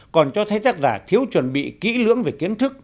còn cho thấy tác giả thiếu chuẩn bị kỹ lưỡng về kiến thức